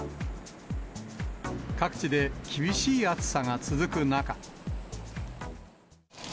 各地で厳しい暑さが続く中。